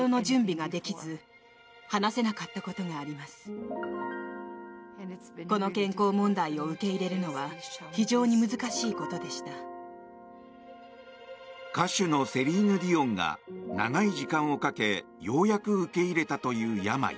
公式発表では健康上の問題とされていたが歌手のセリーヌ・ディオンが長い時間をかけようやく受け入れたという病。